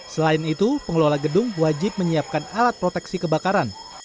selain itu pengelola gedung wajib menyiapkan alat proteksi kebakaran